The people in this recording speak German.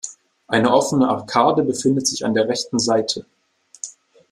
Eine offene Arkade befindet sich an der rechten Seite.